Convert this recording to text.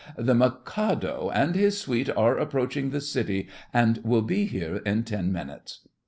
The Mikado and his suite are approaching the city, and will be here in ten minutes.